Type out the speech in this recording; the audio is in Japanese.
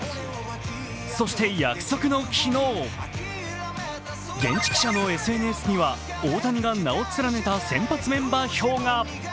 そして約束の昨日、現地記者のＳＮＳには大谷が名を連ねた先発メンバー表が。